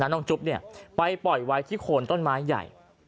น้องจุ๊บไปปล่อยไว้ที่โคนต้นไม้ใหญ่